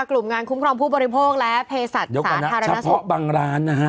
กลุ่มงานคุ้มครองผู้บริโภคและเพศสัตว์สาธารณสมมุติเดี๋ยวก่อนนะเฉพาะบางร้านนะฮะ